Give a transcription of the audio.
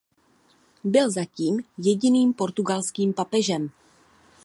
Byl zatím jediným portugalským papežem.